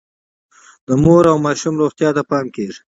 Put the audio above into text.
د مور او ماشوم روغتیا ته پام کیږي.